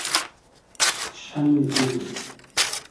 شئمی دیل